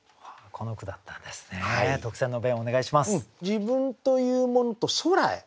自分というものと空へ。